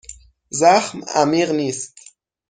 زخم عمیق نیست.